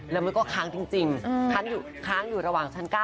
แล้วมันก็ค้างจริงค้างอยู่ระหว่างชั้น๙